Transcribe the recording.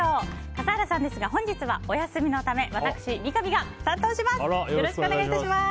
笠原さんですが本日はお休みのため私、三上が担当します。